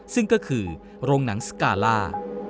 ซึ่งก็คือโรงหนังสการ่า